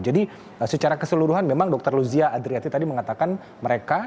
jadi secara keseluruhan memang dr luzia adriati tadi mengatakan mereka